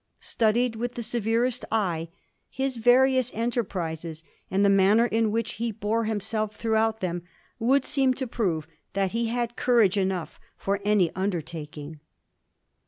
Studied with the severest eye, his various enterprises, and the manner in which he bore himself throughout them, would seem to prove that he had courage enough for any undertaking.